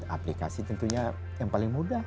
aplikasi tentunya yang paling mudah